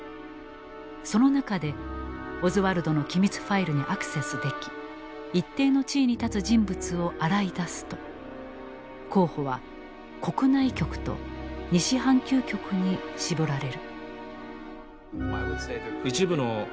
その中でオズワルドの機密ファイルにアクセスでき一定の地位に立つ人物を洗い出すと候補は「国内局」と「西半球局」に絞られる。